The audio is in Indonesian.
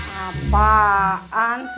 udah matang ya